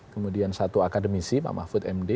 kemudian satu akademisi pak mahfud md